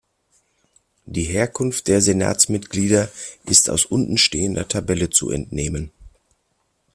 Die Herkunft der Senatsmitglieder ist aus untenstehender Tabelle zu entnehmen.